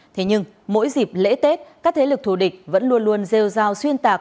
thế nhưng mỗi dịp lễ tết các thế lực thủ địch vẫn luôn luôn rêu rào xuyên tạc